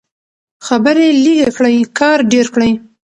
خبرې لږې کړئ کار ډېر کړئ.